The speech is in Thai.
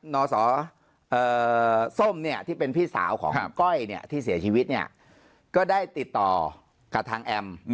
สส้มเนี่ยที่เป็นพี่สาวของก้อยที่เสียชีวิตเนี่ยก็ได้ติดต่อกับทางแอม